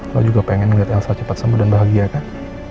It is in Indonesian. lo juga pengen ngeliat elsa cepet sembuh dan bahagia kan